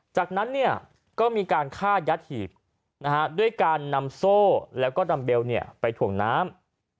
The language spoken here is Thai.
จากนั้นเนี่ยก็มีการฆ่ายัดหีบด้วยการนำโซ่แล้วก็ดัมเบลไปถ่วงน้ำ